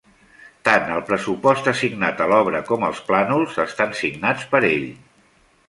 Tant el pressupost assignat a l'obra, com els plànols, estan signats per ell.